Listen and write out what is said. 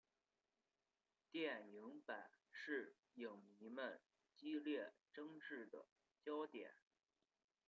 电影版是影迷们激烈争执的焦点。